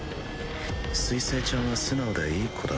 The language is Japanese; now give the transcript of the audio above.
水星ちゃんは素直でいい子だ。